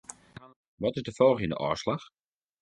Wat is de folgjende ôfslach?